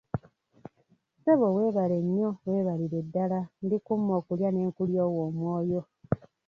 Ssebo weebale nnyo weebalire ddala, ndikumma okulya ne nkulyowa omwoyo!